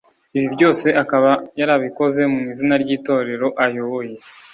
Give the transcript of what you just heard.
ibi byose akaba yarabikoze mu izina ry’Itorero ayoboye